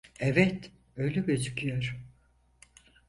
Evet, öyle gözüküyor.